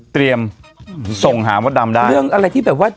ส่งหามดดำได้เรื่องอะไรที่แบบว่า